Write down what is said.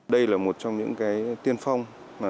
đây là một trong những tiên phong